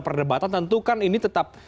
perdebatan tentu kan ini tetap